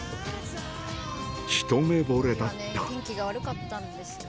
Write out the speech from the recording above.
ひと目ぼれだった天気が悪かったんですよ